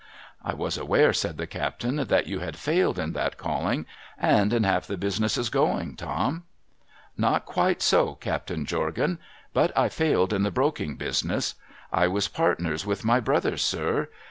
I was aware,' said the captain, * that you had failed in that calling, and in half the businesses going, Tom.' ' Not quite so, Captain Jorgan ; but I failed in the broking business. I was partners with my brother, sir.